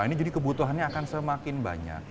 ini jadi kebutuhannya akan semakin banyak